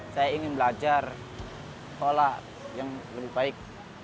saya ingin belajar pola yang lebih baik